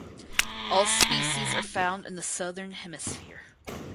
All species are found in the Southern Hemisphere.